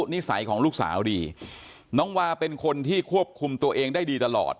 นิสัยของลูกสาวดีน้องวาเป็นคนที่ควบคุมตัวเองได้ดีตลอด